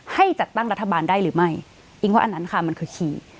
ให้จัดตั้งรัฐบาลได้หรือไม่อิ๊งว่าอันนั้นค่ะมันคือขี่